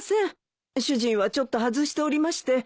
主人はちょっと外しておりまして。